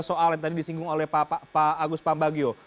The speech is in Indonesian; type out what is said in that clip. soal yang tadi disinggung oleh pak agus pambagio